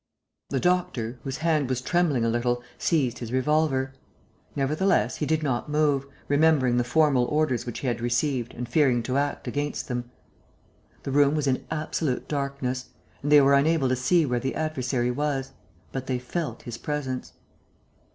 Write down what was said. The doctor, whose hand was trembling a little, seized his revolver. Nevertheless, he did not move, remembering the formal orders which he had received and fearing to act against them. The room was in absolute darkness; and they were unable to see where the adversary was. But they felt his presence.